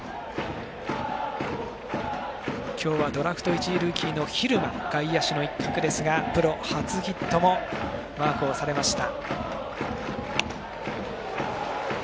今日はドラフト１位ルーキーの蛭間外野手の一角ですがプロ初ヒットもマークをされました。